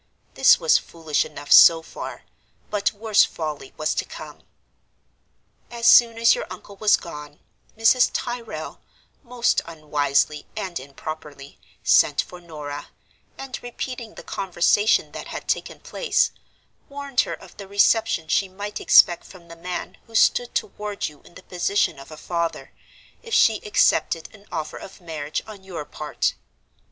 This was foolish enough so far; but worse folly was to come. "As soon as your uncle was gone, Mrs. Tyrrel, most unwisely and improperly, sent for Norah, and, repeating the conversation that had taken place, warned her of the reception she might expect from the man who stood toward you in the position of a father, if she accepted an offer of marriage on your part.